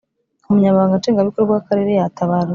Umunyamabanga Nshingabikorwa w Akarere yatabarutse